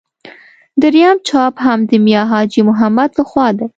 درېیم چاپ هم د میا حاجي محمد له خوا دی.